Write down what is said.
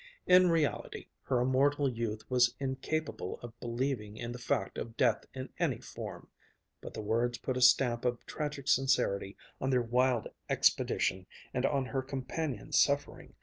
In reality, her immortal youth was incapable of believing in the fact of death in any form. But the words put a stamp of tragic sincerity on their wild expedition, and on her companion's suffering.